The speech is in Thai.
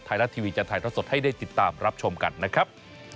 ไทราชทีวีจากไทราชสดให้ได้ติดตามรับชมกันนะครับ